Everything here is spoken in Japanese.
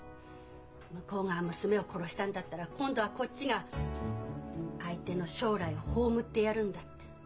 向こうが娘を殺したんだったら今度はこっちが相手の将来を葬ってやるんだって。